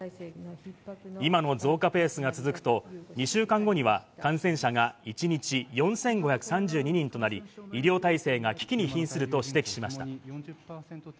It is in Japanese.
今の増加ペースが続くと、２週間後には感染者が１日４５３２人となり、医療体制が危機にひんすると指摘しました。